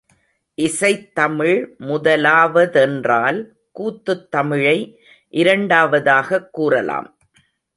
இசைத் தமிழ் முதலாவ தென்றால், கூத்துத் தமிழை இரண்டாவதாகக் கூறலாம்.